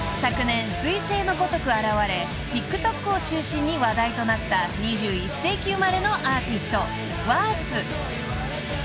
［昨年彗星のごとく現れＴｉｋＴｏｋを中心に話題となった２１世紀生まれのアーティスト］